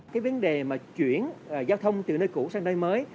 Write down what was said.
cái vấn đề mà chuyển giao thông từ nơi cũ sang nơi mới